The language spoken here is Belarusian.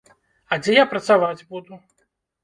А дзе я працаваць буду?